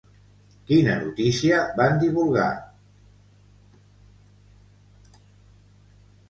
Quina notícia van divulgar?